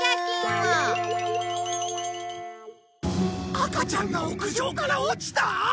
赤ちゃんが屋上から落ちた！？